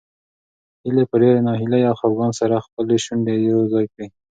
هیلې په ډېرې ناهیلۍ او خپګان سره خپلې شونډې یو ځای کړې.